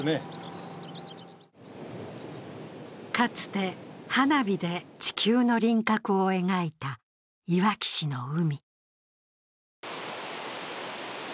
かつて花火で地球の輪郭を描いたいわき市の海。